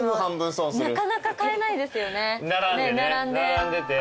並んでね。